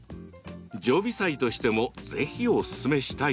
常備菜としてもぜひおすすめしたい。